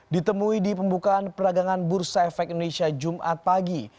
ditemui di pembukaan peragangan bursa efek indonesia jumat pagi